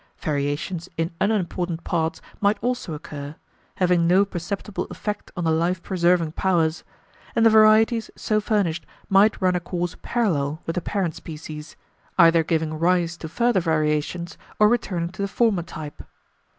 Variations in unimportant parts might also occur, having no perceptible effect on the life preserving powers; and the varieties so furnished might run a course parallel with the parent species, either giving rise to further variations or returning to the former type.